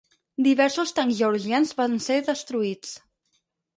Diversos tancs georgians van ser destruïts.